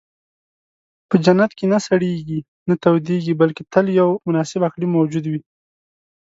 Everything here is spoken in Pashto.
په جنت کې نه سړېږي، نه تودېږي، بلکې تل یو مناسب اقلیم موجود وي.